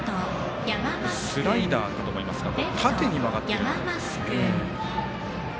スライダーかと思いますが縦に曲がっていますね。